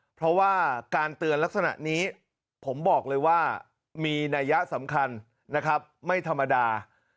เพราะว่าการเตือนลักษณะนี้ผมบอกเลยว่ามีนัยยะสำคัญนะครับไม่ธรรมดา